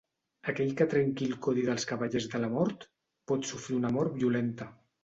Aquell que trenqui el codi dels cavallers de la mort pot sofrir una mort violenta.